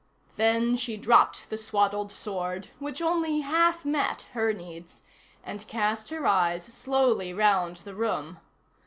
Then she dropped the swaddled sword, which only half met her needs, and cast her eyes slowly round the room.